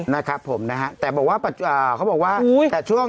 นะครับผมแต่บอกว่าแต่ช่วง